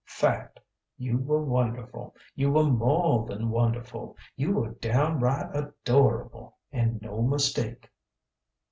Fact! You were wonderful. You were more than wonderful: you were downright adorable, and no mistake!"